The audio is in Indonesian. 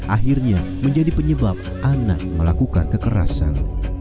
akhirnya menjadi penyebab anak melakukan kekerasan